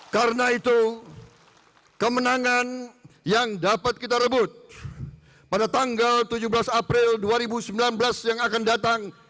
karena itu kemenangan yang dapat kita rebut pada tanggal tujuh belas april dua ribu sembilan belas yang akan datang